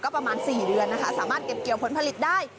ประมาณ๔เดือนนะคะสามารถเก็บเกี่ยวผลผลิตได้